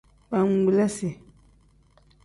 Bangbilasi.